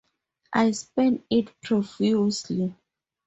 I spent it profusely.